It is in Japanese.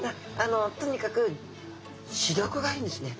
とにかく視力がいいんですね。